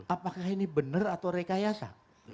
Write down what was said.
apakah ini benar atau rekayasa